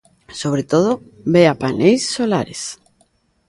Sobre todo, Bea, paneis solares...